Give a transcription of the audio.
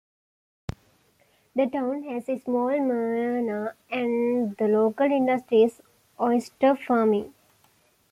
The town has a small marina and the local industry is oyster farming.